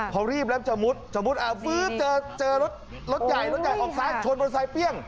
พอรีบแล้วจะมุดเจอรถใหญ่ออกซ้ายชนบนไซส์เปรี้ยง